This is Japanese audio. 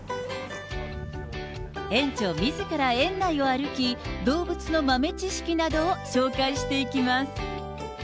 園長みずから園内を歩き、動物の豆知識などを紹介していきます。